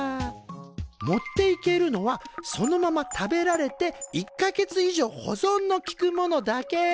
持っていけるのはそのまま食べられて１か月以上保存のきくものだけ。